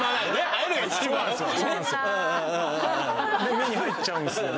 目に入っちゃうんですよね